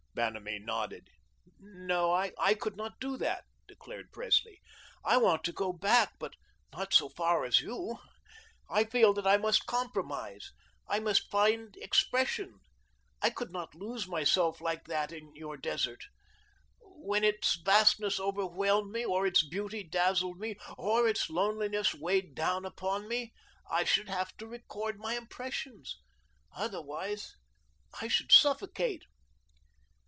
Vanamee nodded. "No, I could not do that," declared Presley; "I want to go back, but not so far as you. I feel that I must compromise. I must find expression. I could not lose myself like that in your desert. When its vastness overwhelmed me, or its beauty dazzled me, or its loneliness weighed down upon me, I should have to record my impressions. Otherwise, I should suffocate."